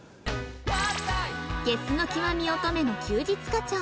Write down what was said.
ゲスの極み乙女。の休日課長